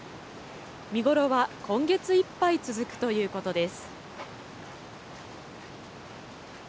見頃は今月いっぱい続くということです。